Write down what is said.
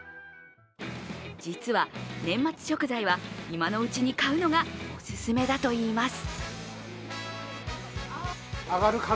実は、年末食材は今のうちに買うのがお勧めだといいます。